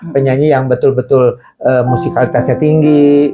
penyanyi yang betul betul musikalitasnya tinggi